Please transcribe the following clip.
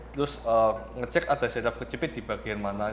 terus ngecek ada sedap kecipit di bagian mana